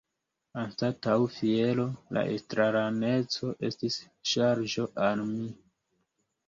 Anstataŭ fiero, la estraraneco estis ŝarĝo al mi.